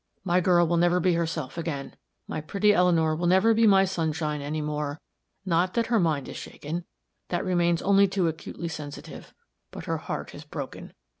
My girl never will be herself again. My pretty Eleanor will never be my sunshine anymore. Not that her mind is shaken that remains only too acutely sensitive. But her heart is broken.